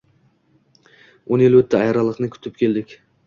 Un yil utdi ayriliqni yutib keldik